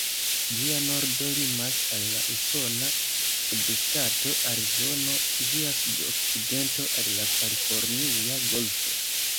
Ĝia nordo limas al la usona subŝtato Arizono, ĝia sud-okcidento al la Kalifornia Golfo.